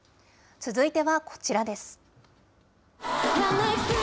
続いてはこちらです。